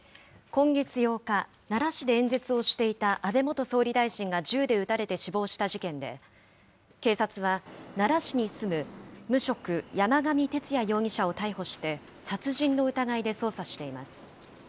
今月８日、奈良市で演説をしていた安倍元総理大臣が銃で撃たれて死亡した事件で、警察は奈良市に住む無職、山上徹也容疑者を逮捕して、殺人の疑いで捜査しています。